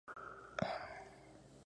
La tasa de complicación es muy baja.